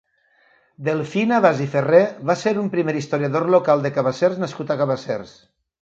Delfí Navàs i Ferré va ser un primer historiador local de Cabassers nascut a Cabassers.